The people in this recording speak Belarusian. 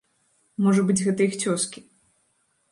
Можа быць, гэта іх цёзкі.